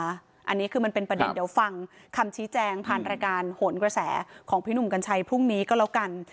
อันนี้คือมันเป็นประเด็นเดี๋ยวฟังคำชี้แจงผ่านรายการโหนกระแสของพี่หนุ่มกัญชัยพรุ่งนี้ก็แล้วกัน